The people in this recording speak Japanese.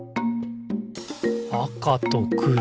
「あかとくろ」